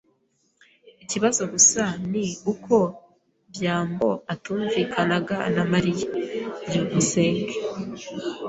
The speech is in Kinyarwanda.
Ikibazo gusa ni uko byambo atumvikanaga na Mariya. byukusenge